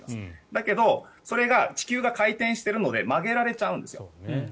だけど、それが地球が回転しているので曲げられちゃうんですよ。